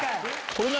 これ何？